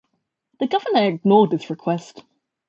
The governor ignored this request.